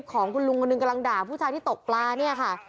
กำลังด่าผู้ชายที่ตกปลาเนี่ยค่ะ